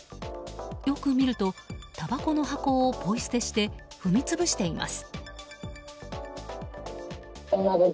よく見ると、たばこの箱をポイ捨てして、踏み潰しています。